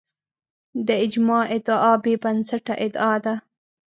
د اجماع ادعا بې بنسټه ادعا ده